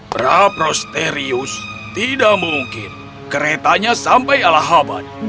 praprosterius tidak mungkin keretanya sampai alaban